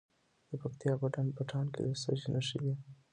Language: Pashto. د پکتیا په ډنډ پټان کې د څه شي نښې دي؟